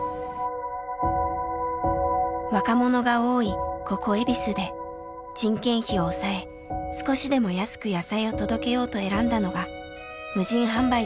若者が多いここ恵比寿で人件費を抑え少しでも安く野菜を届けようと選んだのが無人販売だったんです。